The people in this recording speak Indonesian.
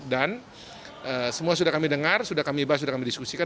dan semua sudah kami dengar sudah kami bahas sudah kami diskusikan